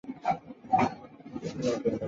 理学博士。